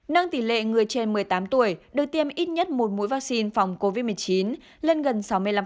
nâng tỷ lệ người trên một mươi tám tuổi được tiêm ít nhất một mũi vaccine phòng covid một mươi chín lên gần sáu mươi năm